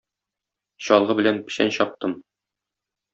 Чалгы белән печән чаптым.